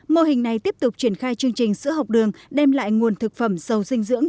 mô hình này tiếp tục triển khai chương trình sữa học đường đem lại nguồn thực phẩm dầu dinh dưỡng